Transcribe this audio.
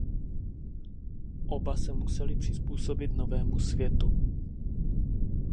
Oba se museli přizpůsobit novému světu.